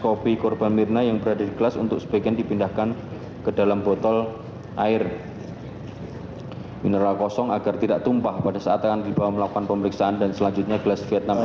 kopi korban mirna yang berada di kelas untuk sebagian dipindahkan ke dalam botol air mineral kosong agar tidak tumpah pada saat akan dibawa melakukan pemeriksaan dan selanjutnya kelas vietnam